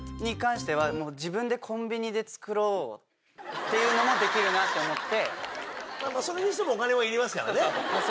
っていうのもできるなって思って。